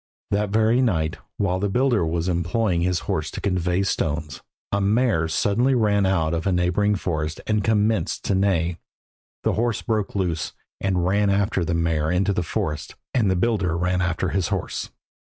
That very night, while the builder was employing his horse to convey stones, a mare suddenly ran out of a neighbouring forest and commenced to neigh. The horse broke loose and ran after the mare into the forest, and the builder ran after his horse.